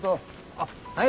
あっはい。